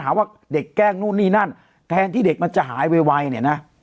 ว่าเด็กแกล้งนู่นนี่นั่นแทนที่เด็กมันจะหายไวเนี่ยนะ